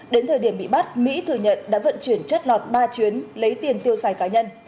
đến thời điểm bị bắt mỹ thừa nhận đã vận chuyển chất lọt ba chuyến lấy tiền tiêu xài cá nhân